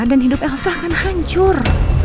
dan hidup elsa akan hancur